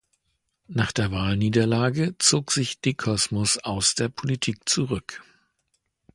Nach der Wahlniederlage zog sich De Cosmos aus der Politik zurück.